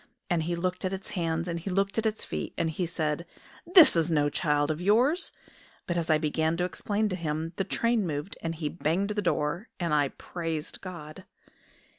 And he looked at its hands and he looked at its feet, and he said: 'This is no child of yours!' But as I began to explain to him, the train moved, and he banged the door; and I praised God!"